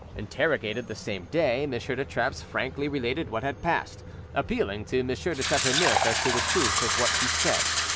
Interrogated the same day, M. de Trappes frankly related what had passed, appealing to M. de Chateauneuf as to the truth of what he said.